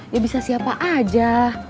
ya bisa siapa aja